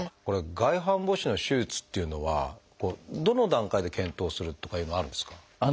これは外反母趾の手術っていうのはどの段階で検討するとかいうのはあるんですか？